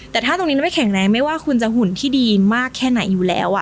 แต่ถ้าตรงนี้ไม่แข็งแรงไม่ว่าคุณจะหุ่นที่ดีมากแค่ไหนอยู่แล้ว